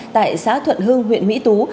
tại xã thuận hương huyện mỹ tùy